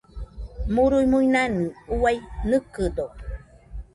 Murui-muinanɨ uai nɨkɨdo.